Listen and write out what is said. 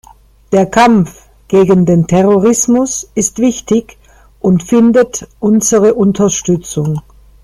Der Kampf gegen den Terrorismus ist wichtig und findet unsere Unterstützung.